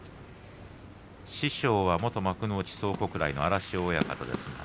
師匠は元幕内蒼国来の荒汐親方です。